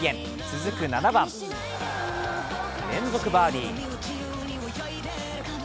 続く７番、連続バーディー。